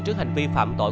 trước hành vi phạm tội